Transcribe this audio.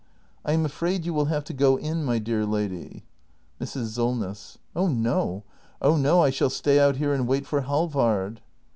] I am afraid you will have to go in, my dear lady Mrs. Solness. Oh no! Oh no! I shall stay out here and wait for Halvard.